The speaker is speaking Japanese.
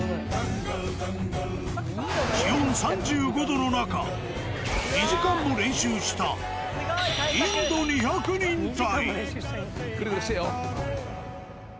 気温３５度の中、２時間も練習したインド２００人隊。